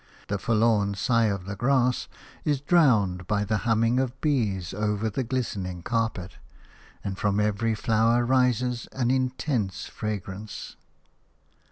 The forlorn sigh of the grass is drowned by the humming of bees over the glistening carpet, and from every flower rises an intense fragrance.